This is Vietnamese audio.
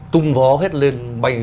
tung vó hết lên